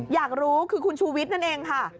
อยากรู้คือคุณชูวิทย์นั่นเองค่ะ